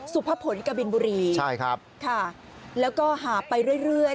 สุพพะผลกะบินบุรีค่ะแล้วก็หาบไปเรื่อย